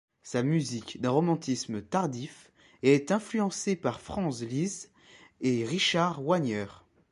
Sa musique, d'un romantisme tardif, est influencée par Franz Liszt et Richard Wagner.